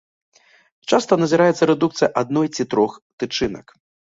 Часта назіраецца рэдукцыя адной ці трох тычынак.